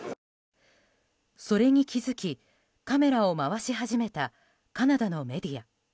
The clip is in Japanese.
それに気づきカメラを回し始めたカナダのメディア。